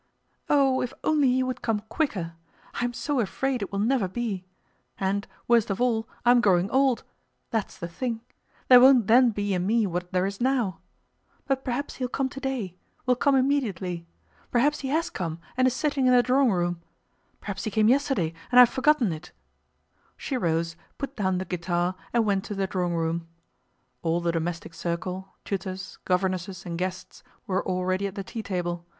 "Oh, if only he would come quicker! I am so afraid it will never be! And, worst of all, I am growing old—that's the thing! There won't then be in me what there is now. But perhaps he'll come today, will come immediately. Perhaps he has come and is sitting in the drawing room. Perhaps he came yesterday and I have forgotten it." She rose, put down the guitar, and went to the drawing room. All the domestic circle, tutors, governesses, and guests, were already at the tea table.